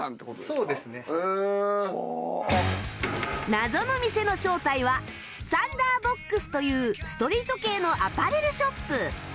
謎の店の正体は ＴＨＵＮＤＥＲＢＯＸ というストリート系のアパレルショップ